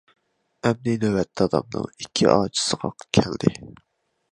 ئەمدى نۆۋەت دادامنىڭ ئىككى ئاچىسىغا كەلدى.